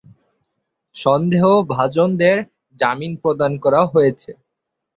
সন্দেহভাজনদের জামিন প্রদান করা হয়েছে।